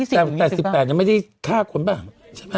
เออแต่สิบแปดยังไม่ได้ฆ่าคนป่ะใช่ป่ะ